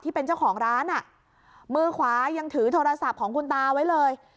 ที่เป็นเจ้าของร้านอ่ะมือขวายังถือโทรศัพท์ของคุณตาไว้เลย